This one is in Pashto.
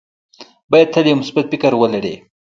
باید تل یو مثبت فکر ولره.